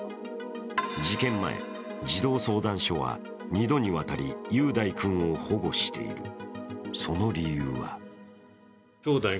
事件前、児童相談所は２度にわたり雄大君を保護している。